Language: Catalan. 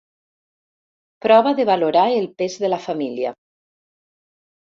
Prova de valorar el pes de la família.